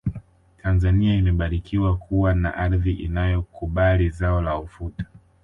tanzania imebarikiwa kuwa na ardhi inayokubali zao la ufuta